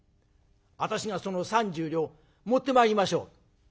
私がその３０両持ってまいりましょう」。